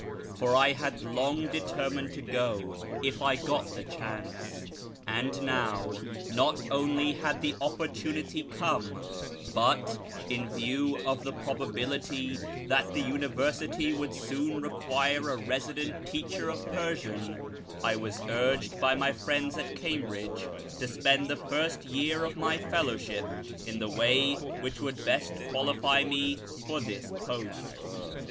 For I had long determined to go if I got the chance ; and now, not only had the opportunity come, but, in view of the probability that the University would soon require a resident teacher of Persian, I was urged by my friends at Cambridge to spend the first year of my fellowship in the way which would best qualify me for this post.